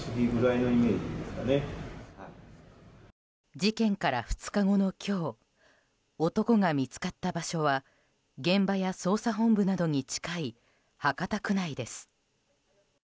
事件から２日後の今日男が見つかった場所は現場や捜査本部などに近い博多区内です。